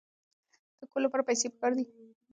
د کور لپاره پیسې پکار دي.